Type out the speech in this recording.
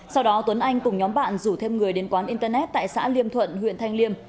sau đó tuấn anh cùng nhóm bạn rủ thêm người đến quán internet tại xã liêm thuận huyện thanh liêm